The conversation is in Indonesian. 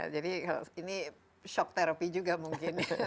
jadi ini shock therapy juga mungkin